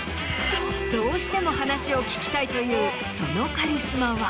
どうしても話を聞きたいというそのカリスマは。